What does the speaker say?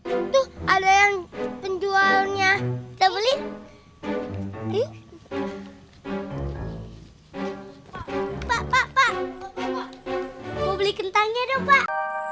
itu ada yang penjualnya tabel ini pak pak pak mau beli kentangnya dong pak